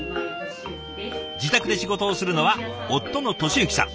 自宅で仕事をするのは夫の敏之さん。